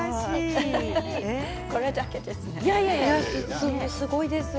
それだけですね。